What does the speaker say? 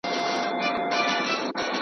لمره نن تم سه نن به نه راخېژې .